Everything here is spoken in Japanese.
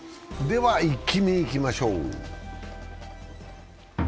では「イッキ見」、いきましょう。